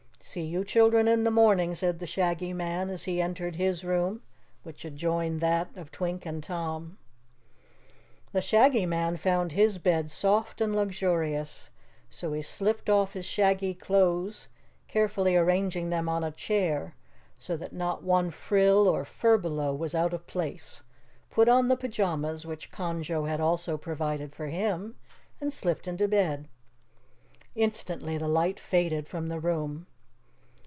"See you children in the morning," said the Shaggy Man as he entered his room which adjoined that of Twink and Tom. The Shaggy Man found his bed soft and luxurious, so he slipped off his shaggy clothes, carefully arranging them on a chair so that not one frill or furbelow was out of place, put on the pajamas which Conjo had also provided for him, and slipped into bed. Instantly the light faded from the room.